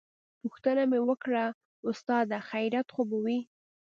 پوښتنه مې وکړه استاده خيريت خو به وي.